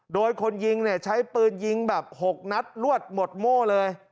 โดยคนยิงเนี่ยใช้ปืนยิงแบบ๖นัดรวดหมดโม่เลย